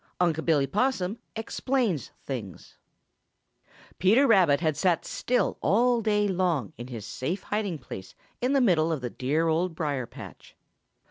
UNC' BILLY POSSUM EXPLAINS THINGS |PETER RABBIT had sat still all day long in his safe hiding place in the middle of the dear Old Briar patch.